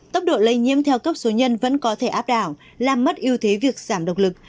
tốc độ lây nhiễm theo cấp số nhân vẫn có thể áp đảo làm mất ưu thế việc giảm độc lực